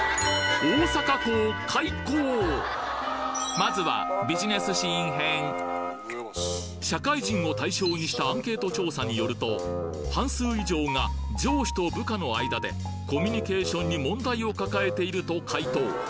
まずは社会人を対象にしたアンケート調査によると半数以上が上司と部下の間でコミュニケーションに問題を抱えていると回答